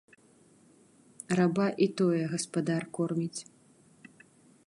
Раба і тое гаспадар корміць.